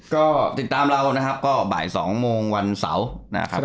ก็ติดตามเรานะครับก็บ่าย๒โมงวันเสาร์นะครับ